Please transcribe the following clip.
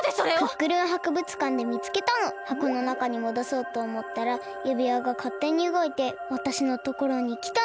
クックルンはくぶつかんでみつけたの。はこのなかにもどそうとおもったらゆびわがかってにうごいてわたしのところにきたの。